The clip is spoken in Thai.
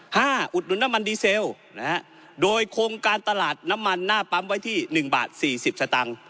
อุดหนุนน้ำมันดีเซลนะฮะโดยโครงการตลาดน้ำมันหน้าปั๊มไว้ที่หนึ่งบาทสี่สิบสตางค์